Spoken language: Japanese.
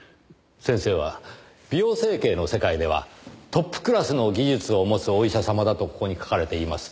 先生は美容整形の世界ではトップクラスの技術をもつお医者様だとここに書かれています。